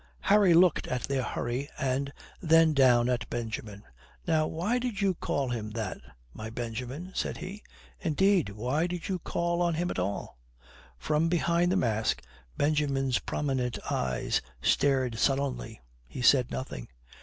Harry looked at their hurry and then down at Benjamin. "Now why did you call him that, my Benjamin?" said he. "Indeed, why did you call on him at all?" From behind the mask Benjamin's prominent eyes stared sullenly. He said nothing.